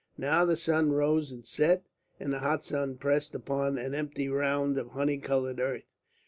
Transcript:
Now the sun rose and set, and the hot sky pressed upon an empty round of honey coloured earth.